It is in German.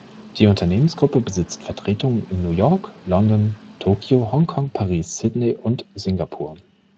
Die Unternehmensgruppe besitzt Vertretungen in New York, London, Tokio, Hongkong, Paris, Sydney und Singapur.